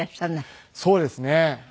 そうですね。